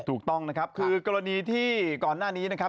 ถูกต้องนะครับคือกรณีที่ก่อนหน้านี้นะครับ